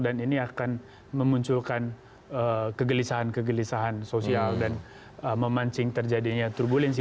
dan ini akan memunculkan kegelisahan kegelisahan sosial dan memancing terjadinya turbulensi